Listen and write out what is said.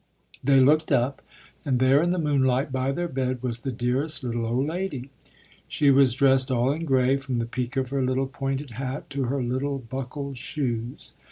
They looked up, and there in the moonlight, by their bed, was the dearest little old lady. She was dressed all in grey, from the peak of her little pointed hat to her little, buckled shoes.